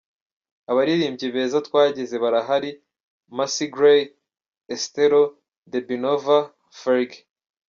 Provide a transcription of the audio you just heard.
Abaririmbyi beza twagize barahari Macy Gray, Esthero, Debi Nova, Fergie.